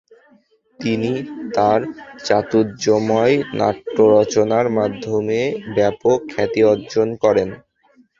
তিনি তার চাতুর্যময় নাট্যরচনার মাধ্যমে ব্যাপক খ্যাতি অর্জন করেন।